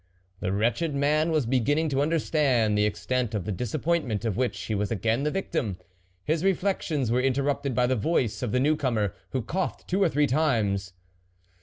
The wret ched man was beginning to understand the extent of the disappointment of which he was again the victim. His reflections were interrupted by the voice of the new comer, who coughed two or three times.